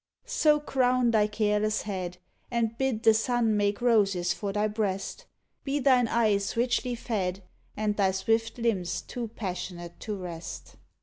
So, crown thy careless head, And bid the sun make roses for thy breast ! Be thine eyes richly fed And thy swift limbs too passionate to rest!